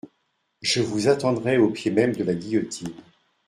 Je vous attendrai au pied même de la guillotine.